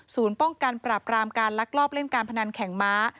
ป้องกันปราบรามการลักลอบเล่นการพนันแข่งม้า